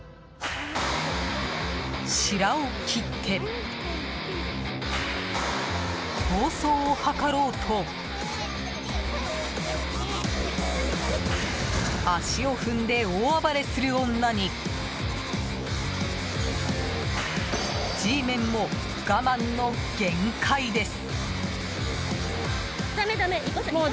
シラを切って逃走を図ろうと足を踏んで大暴れする女にＧメンも我慢の限界です。